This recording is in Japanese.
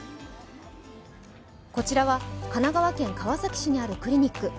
こちらは神奈川県川崎市にあるクリニック。